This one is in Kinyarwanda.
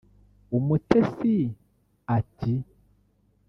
Umutesi ati